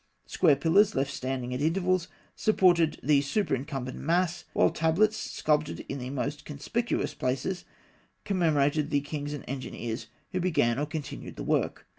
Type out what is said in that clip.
Square pillars, left standing at intervals, supported the superincumbent mass, while tablets sculptured in the most conspicuous places commemorated the kings and engineers who began or continued the work.